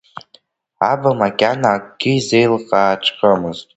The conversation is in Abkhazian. Аба макьана акгьы изеилкааҵәҟьомызт.